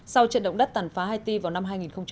sau trận động đất tàn phá haiti vào năm hai nghìn một mươi